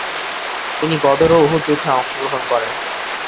তিনি বদর ও উহুদ যুদ্ধে অংশগ্রহণ করেন।